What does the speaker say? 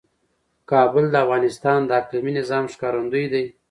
کابل د افغانستان د اقلیمي نظام ښکارندوی ده.